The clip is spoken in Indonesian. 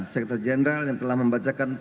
sekreta jenderal yang telah membacakan